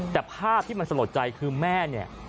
แต่ภาพที่มันสลดใจคือแม่เนี่ย